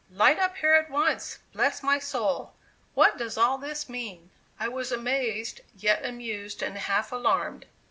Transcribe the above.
Light up here at once; bless my soul! what does all this mean?" I was amazed, yet amused and half alarmed.